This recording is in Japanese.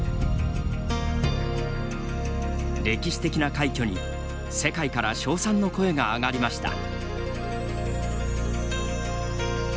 歴史的な快挙に世界から称賛の声があがりました。